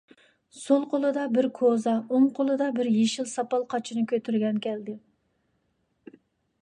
سول قولىدا بىر كوزا، ئوڭ قولىدا بىر يېشىل ساپال قاچىنى كۆتۈرگەن كەلدى.